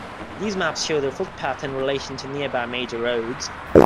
These maps show the footpath in relation to nearby major roads.